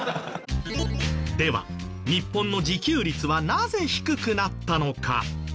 では日本の自給率はなぜ低くなったのか？